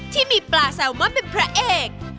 ที่มีปลาแซลมอนเป็นพระเอก